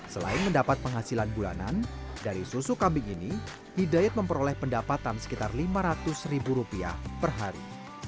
selain mendapat penghasilan bulanan dari susu kambing ini hidayat memperoleh pendapatan sekitar lima ratus ribu rupiah per hari